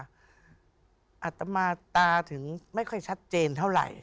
อัตมาตาถึงไม่ค่อยชัดเจนเท่าไหร่